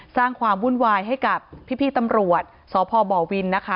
สร้างความวุ่นวายให้กับพี่ตำรวจสพบวินนะคะ